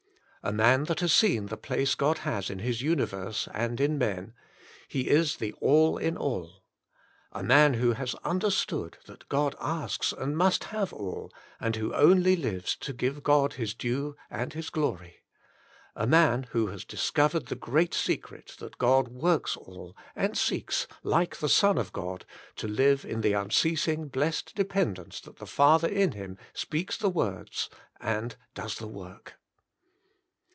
A man that has seen the place God has in His universe and in men — He is the All in All! A man who has understood that God Asks and Must Have All, and who only lives to give God His due and His glory ! A man who has discovered the great secret that God Works All, and seeks, like Moses, the Man of God 35 the Son of God, to live in the unceasing blessed dependence that the Father in Him speaks the words and does the work.